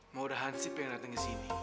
mau ada hansip yang datang kesini